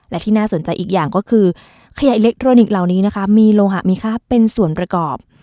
และที่น่าสนใจอีกอย่างก็คือขยะอิเล็กทรอนิกส์เหล่านี้นะคะมีโลหะมีค่าเป็นส่วนประกอบ